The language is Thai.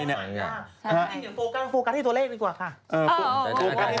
โฟกัสให้ตัวเลขดีกว่าค่ะ